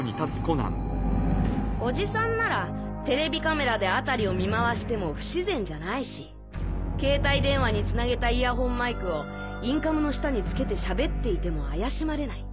おじさんならテレビカメラで辺りを見回しても不自然じゃないし携帯電話につなげたイヤホンマイクをインカムの下に付けてしゃべっていても怪しまれない。